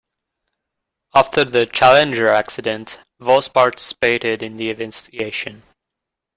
After the "Challenger" accident, Voss participated in the investigation.